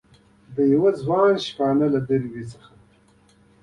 دیوه ځوان شپونکي له دروي څخه